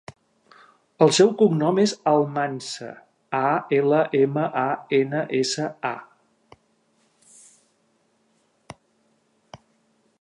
El seu cognom és Almansa: a, ela, ema, a, ena, essa, a.